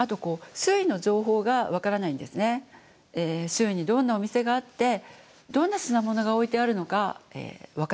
あと周囲にどんなお店があってどんな品物が置いてあるのか分からない。